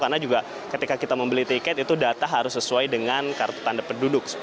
karena juga ketika kita membeli tiket itu data harus sesuai dengan kartu tanda penduduk